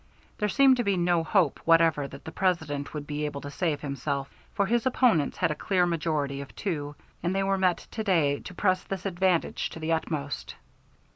There seemed to be no hope whatever that the President would be able to save himself, for his opponents had a clear majority of two, and they were met to day to press this advantage to the utmost.